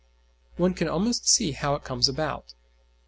One can almost see how it comes about.